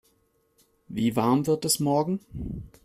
Wie warm wird es morgen?